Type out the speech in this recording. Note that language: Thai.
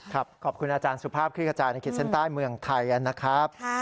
ครับขอบคุณอาจารย์สุภาพคลิกอาจารย์ในเกียรติเซ็นต้ายเมืองไทยนะครับ